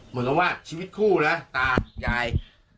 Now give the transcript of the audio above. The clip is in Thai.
เหมือนกับว่าชีวิตคู่นะตายาย